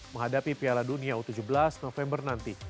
menghadapi piala dunia u tujuh belas november nanti